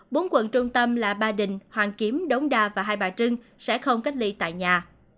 bốn quận trung tâm là ba đình hoàn kiếm đống đa và hai bà trưng sẽ không cách ly tại nhà